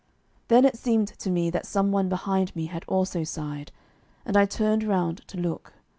Then it seemed to me that some one behind me had also sighed, and I turned round to look.